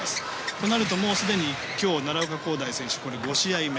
となるとすでに今日奈良岡功大選手これが５試合目。